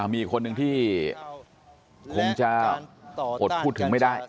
มีอีกคนนึงที่คงจะอดพูดถึงไม่ได้